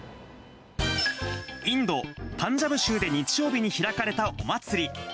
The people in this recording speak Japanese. インド・パンジャブ州で日曜日に開かれたお祭り。